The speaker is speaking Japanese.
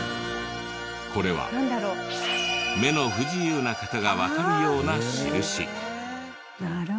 これは目の不自由な方がわかるような印。